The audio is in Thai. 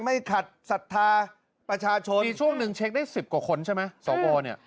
ไม่ขัดศรัทธาประชาชนมีช่วงหนึ่งเช็คได้๑๐กว่าคนใช่ไหมสวเนี่ย